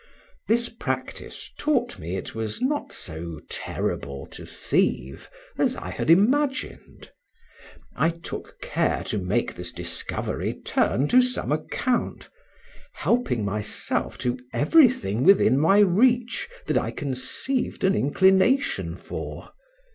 This practice taught me it was not so terrible to thieve as I had imagined: I took care to make this discovery turn to some account, helping myself to everything within my reach, that I conceived an inclination for.